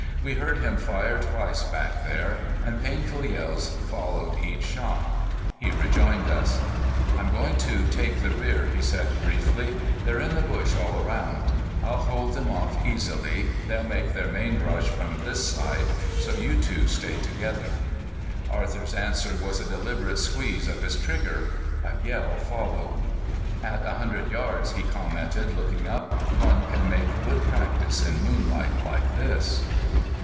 We heard him fire twice back there, and painful yells followed each shot. He rejoined us. "I'm going to take the rear," he said briefly. "They're in the bush all around. I'll hold them off easily. They'll make their main rush from this side, so you two stay together." Arthur's answer was a deliberate squeeze of his trigger. A yell followed. "At a hundred yards," he commented, looking up, "one can make good practice in moonlight like this."